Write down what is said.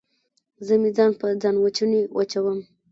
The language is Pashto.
زه مې ځان په ځانوچوني وچوم